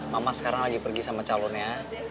mama sekarang lagi pergi sama calonnya